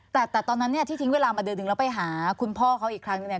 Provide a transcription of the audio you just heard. แต่ตอนนั้นเนี่ยที่ทิ้งเวลามาเดือนหนึ่งแล้วไปหาคุณพ่อเขาอีกครั้งนึงเนี่ย